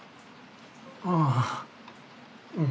ああうん。